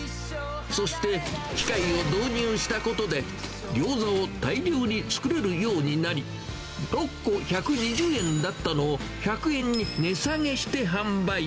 そして、機械を導入したことで、ギョーザを大量に作れるようになり、６個１２０円だったのを、１００円に値下げして販売。